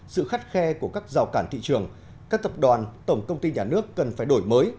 sự khắt khe của các rào cản thị trường các tập đoàn tổng công ty nhà nước cần phải đổi mới